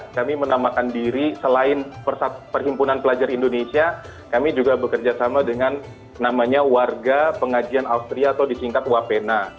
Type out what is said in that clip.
kami menamakan diri selain perhimpunan pelajar indonesia kami juga bekerja sama dengan namanya warga pengajian austria atau di tingkat wapena